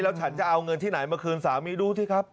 ฉันจะเอาเงินที่ไหนมาคืนสามีดูสิครับ